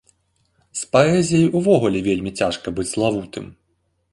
З паэзіяй увогуле вельмі цяжка быць славутым.